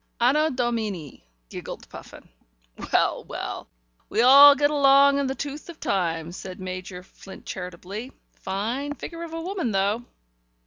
"Anno Domini," giggled Puffin. "Well, well, we all get long in the tooth in time," said Major Flint charitably. "Fine figure of a woman, though."